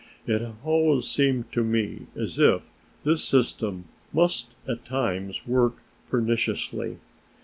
It has always seemed to me as if this system must at times work perniciously.